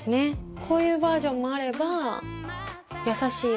こういうバージョンもあれば優しい色のもの。